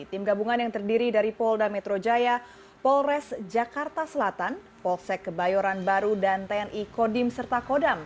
tim gabungan yang terdiri dari polda metro jaya polres jakarta selatan polsek kebayoran baru dan tni kodim serta kodam